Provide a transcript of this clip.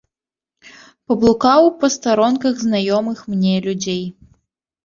Паблукаў па старонках знаёмых мне людзей.